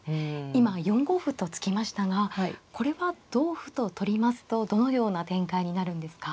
今４五歩と突きましたがこれは同歩と取りますとどのような展開になるんですか。